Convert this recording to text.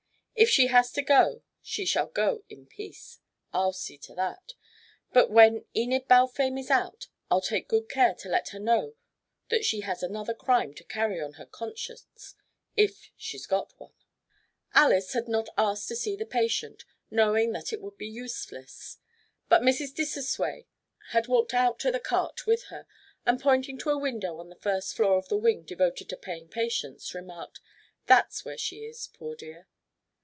If she has to go, she shall go in peace. I'll see to that. But when Enid Balfame is out, I'll take good care to let her know that she has another crime to carry on her conscience if she's got one." Alys had not asked to see the patient, knowing that it would be useless, but Mrs. Dissosway had walked out to the cart with her, and pointing to a window on the first floor of the wing devoted to paying patients, remarked: "That's where she is, poor dear."